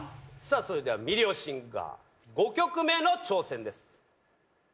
それでは『ミリオンシンガー』５曲目の挑戦です。